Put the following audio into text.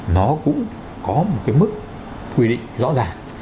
nó cũng có một cái mức quy định rõ ràng